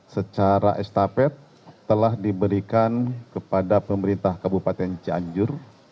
secara estafet telah diberikan kepada pemerintah kabupaten cianjur